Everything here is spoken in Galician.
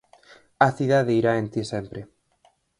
A cidade irá en ti sempre.